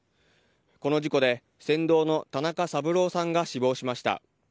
この事故で船頭の田中三郎さんが死亡しました。